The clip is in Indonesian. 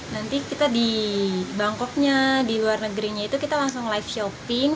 nanti kita di bangkoknya di luar negerinya itu kita langsung live shopping